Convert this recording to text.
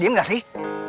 diam gak sih